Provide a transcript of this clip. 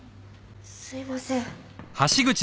すいません。